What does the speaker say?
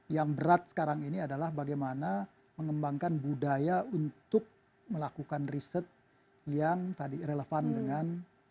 yang berat sekarang ini adalah bagaimana mengembangkan budaya untuk melakukan riset yang tadi relevan dengan